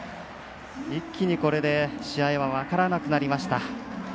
一気にこれで試合は分からなくなりました。